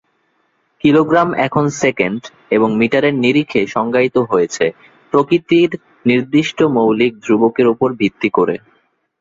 Kilogram এখন second এবং মিটারের নিরিখে সংজ্ঞায়িত হয়েছে, প্রকৃতির নির্দিষ্ট মৌলিক ধ্রুবকের উপর ভিত্তি করে।